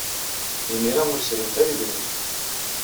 Imir-a, ur srint ara idrimen.